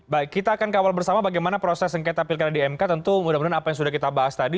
baik kita akan kawal bersama bagaimana proses sengketa pilkada di mk tentu mudah mudahan apa yang sudah kita bahas tadi